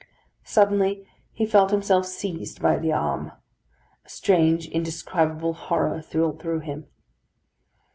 Suddenly he felt himself seized by the arm. A strange indescribable horror thrilled through him.